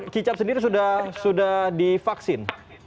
kicap sendiri sudah divaksin